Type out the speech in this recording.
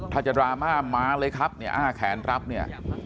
ถ้าจะดราม่ามาเลยครับอ้าแขนรับนี่